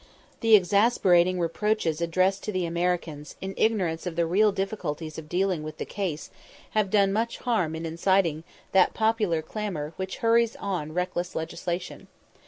The exasperating reproaches addressed to the Americans, in ignorance of the real difficulties of dealing with the case, have done much harm in inciting that popular clamour which hurries on reckless legislation.